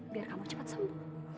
biar kamu cepat sembuh